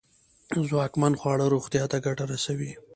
ځواکمن خواړه روغتیا ته گټه رسوي.